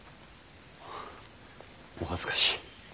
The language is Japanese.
お恥ずかしい。